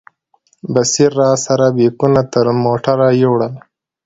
بصیر راسره بیکونه تر موټره یوړل.